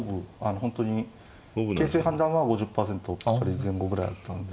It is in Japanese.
本当に形勢判断は５０％前後ぐらいあったんで。